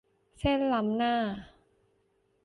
เส้นล้ำหน้า